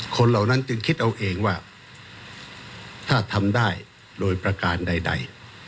เหล่านั้นจึงคิดเอาเองว่าถ้าทำได้โดยประการใด